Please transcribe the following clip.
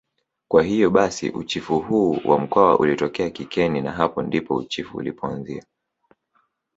Kwa hiyo basi uchifu huu wa mkwawa ulitoka kikeni na hapo ndipo uchifu ulipoanzia